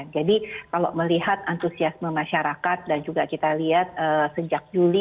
jadi kalau melihat antusiasme masyarakat dan juga kita lihat sejak juli